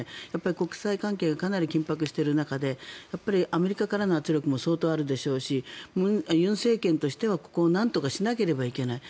国際関係がかなり緊迫している中でやっぱりアメリカからの圧力も相当あるでしょうし尹政権としてはここをなんとかしないといけない。